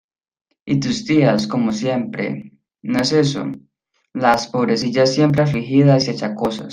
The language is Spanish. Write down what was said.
¿Y tus tías? como siempre ¿No es eso? las pobrecillas siempre afligidas y achacosas.